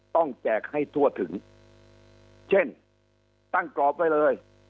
แจกให้ทั่วถึงเช่นตั้งกรอบไว้เลย